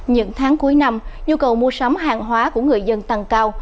những tháng cuối năm nhu cầu mua sắm hàng hóa của người dân tăng cao